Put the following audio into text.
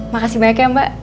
makasih banyak ya mbak